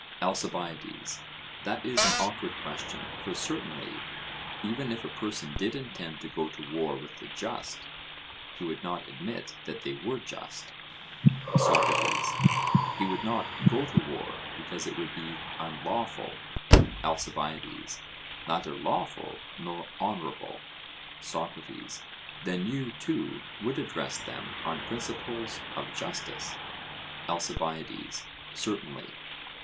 ALCIBIADES: That is an awkward question; for certainly, even if a person did intend to go to war with the just, he would not admit that they were just. SOCRATES: He would not go to war, because it would be unlawful? ALCIBIADES: Neither lawful nor honourable. SOCRATES: Then you, too, would address them on principles of justice? ALCIBIADES: Certainly.